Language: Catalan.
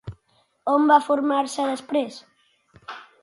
On va formar-se després?